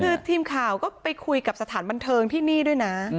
คือทีมข่าวก็ไปคุยกับสถานบันเทิงที่นี่ด้วยนะ